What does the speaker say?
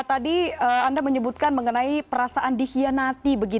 tadi anda menyebutkan mengenai perasaan dihianati